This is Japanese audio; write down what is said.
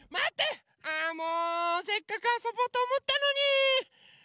あもうせっかくあそぼうとおもったのに。